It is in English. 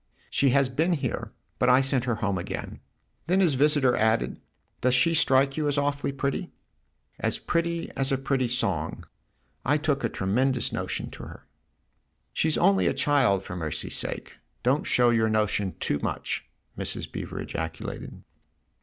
" She has been here, but I sent her home again." Then his visitor added :" Does she strike you as awfully pretty ?" THE OTHER HOUSE 31 "As pretty as a pretty song! I took a tre mendous notion to her." " She's only a child for mercy's sake don't show your notion too much !" Mrs. Beever ejaculated.